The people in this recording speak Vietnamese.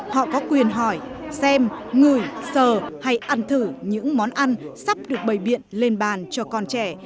họ có quyền hỏi xem ngửi sờ hay ăn thử những món ăn sắp được bày biện lên bàn cho con trẻ